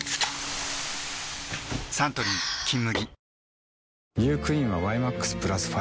サントリー「金麦」